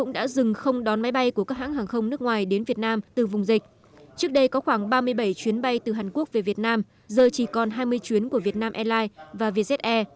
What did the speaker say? đã dừng không đón máy bay của các hãng hàng không nước ngoài đến việt nam từ vùng dịch trước đây có khoảng ba mươi bảy chuyến bay từ hàn quốc về việt nam giờ chỉ còn hai mươi chuyến của việt nam airlines và vze